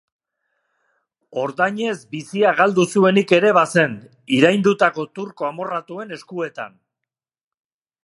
Ordainez bizia galdu zuenik ere bazen, iraindutako turko amorratuen eskuetan.